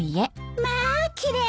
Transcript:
まあ奇麗。